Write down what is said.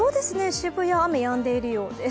渋谷、雨、やんでいるようです。